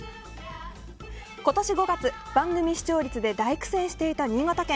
今年５月、番組視聴率で大苦戦していた新潟県。